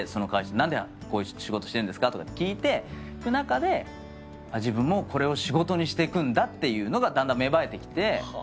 「何でこういう仕事してんですか？」と聞いてく中で自分もこれを仕事にしてくんだってだんだん芽生えてきて。